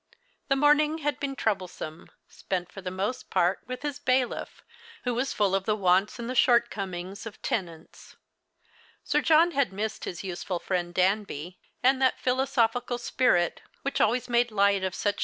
The morning had been trouble some, spent for the most part with his bailiff, who \\as full of the wants and the shortcomings of tenants. Sir John had missed his useful friend Danby, and that philosophical spirit which always made light of such 86 The Chrlstmas Hirelings.